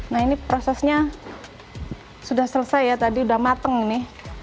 nah ini prosesnya sudah selesai ya tadi sudah matang ini